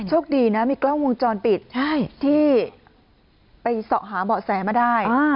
โชคดีนะมีกล้องวงจรปิดที่ไปเสาะหาเบาะแสมาได้